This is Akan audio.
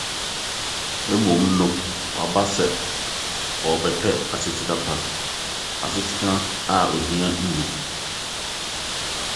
Mmom no, wɔaba sɛ wɔrebɛpɛ asetra pa — asetra a ohia nnim.